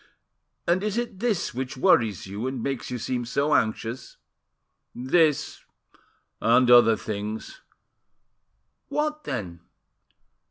"And is it this which worries you, and makes you seem so anxious?" "This and other things." "What, then?"